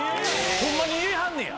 ホンマに言いはんねや。